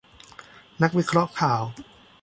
นักวิเคราะห์ข่าว